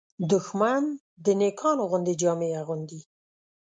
دښمن د نېکانو غوندې جامې اغوندي